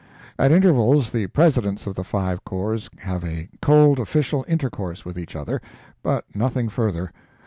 At intervals the presidents of the five corps have a cold official intercourse with each other, but nothing further.